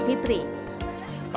kedua harganya juga lumayan